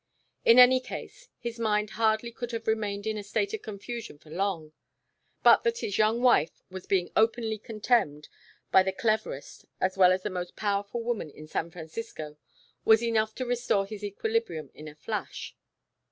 In any case, his mind hardly could have remained in a state of confusion for long; but that his young wife was being openly contemned by the cleverest as well as the most powerful woman in San Francisco was enough to restore his equilibrium in a flash.